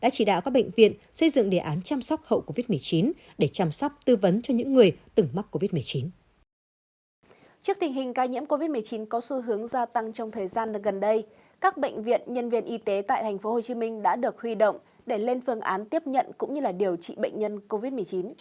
các bệnh viện nhân viên y tế tại tp hcm đã được huy động để lên phương án tiếp nhận cũng như điều trị bệnh nhân covid một mươi chín